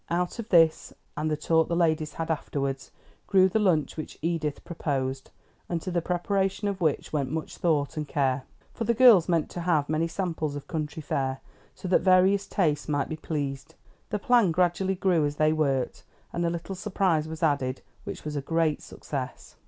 Out of this, and the talk the ladies had afterward, grew the lunch which Edith proposed, and to the preparation of which went much thought and care; for the girls meant to have many samples of country fare, so that various tastes might be pleased. The plan gradually grew as they worked, and a little surprise was added, which was a great success.